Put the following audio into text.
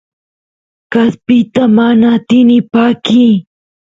kaspita mana atini pakiy